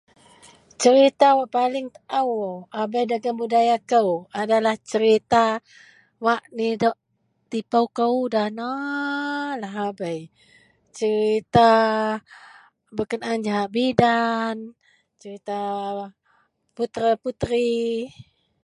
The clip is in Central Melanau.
serita paling daao a bei dagen budaya kou, adalah serita wak nidok tipou kou danaaaa lahabei serita berkenaan jahak bidan, serita putera-puteri